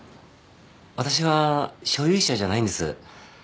私は所有者じゃないんです。